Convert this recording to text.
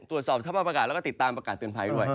ตรวจสอบสภาพอากาศแล้วก็ติดตามประกาศเตือนภัยด้วย